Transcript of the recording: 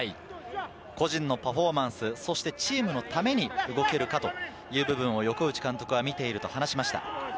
個人のパフォーマンス、そしてチームのために動けるかという部分を横内監督は見ていると話しました。